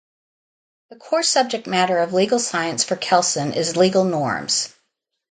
The core subject matter of legal science, for Kelsen, is legal norms.